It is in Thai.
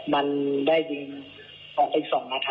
มันได้ยิงออกไปอีก๒นัด